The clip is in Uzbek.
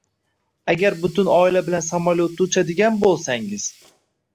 Agar butun oila bilan samolyotda uchadigan bo‘lsangiz